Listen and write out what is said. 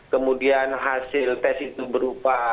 kemudian hasil tes itu berupa